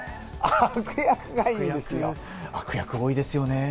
悪役多いですよね。